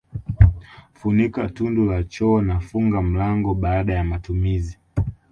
Funika tundu la choo na funga mlango baada ya matumizi